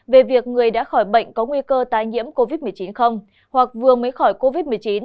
về việc người đã khỏi bệnh có nguy cơ tai nhiễm covid một mươi chín không hoặc vừa mới khỏi covid một mươi chín